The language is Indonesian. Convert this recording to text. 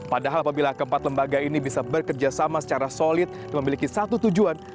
padahal apabila keempat lembaga ini bisa bekerja sama secara solid dan memiliki satu tujuan